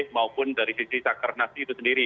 maupun dari sisi sakernas itu sendiri